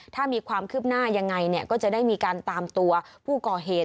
ถ้ามีความคืบหน้ายังไงก็จะได้มีการตามตัวผู้ก่อเหตุ